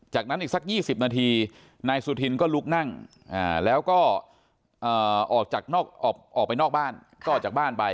จากนั้นอีกสัก๒๐นาทีนายสุธินก็ลุกนั่งแล้วก็ออกไปนอกบ้านก็ออกจากบ้านไป